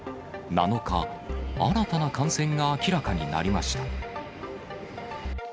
７日、新たな感染が明らかになりました。